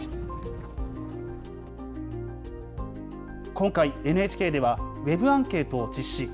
今回、ＮＨＫではウェブアンケートを実施。